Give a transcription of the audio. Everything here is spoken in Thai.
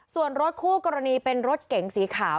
ส่วนรถคู่กรณีเป็นรถเก๋งสีขาว